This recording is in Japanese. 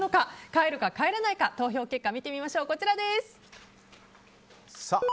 帰るか帰らないか投票結果見てみましょう。